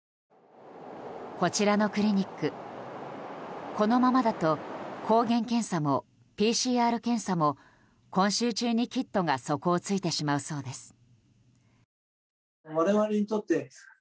こちらのクリニックこのままだと抗原検査もＰＣＲ検査も今週中にキットが底をついてしまうそうです。